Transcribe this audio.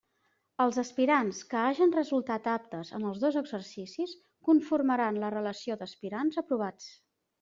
Els aspirants que hagen resultat aptes en els dos exercicis conformaran la relació d'aspirants aprovats.